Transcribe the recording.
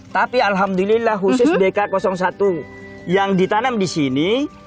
tapi alhamdulillah khusus bk satu yang ditanam di sini